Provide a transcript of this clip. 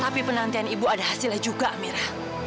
tapi penantian ibu ada hasilnya juga mirah